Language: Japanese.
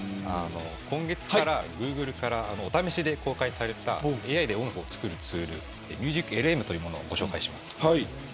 今月、グーグルからお試しで公開されたＡＩで音楽を作るツールＭｕｓｉｃＬＭというものを紹介します。